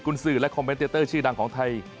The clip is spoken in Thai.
คุณสื่อและคอมเมนเตอร์ชื่อดังของไทย